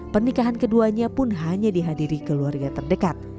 pernikahan keduanya pun hanya dihadiri keluarga terdekat